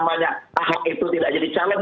kalau ahok itu tidak jadi calon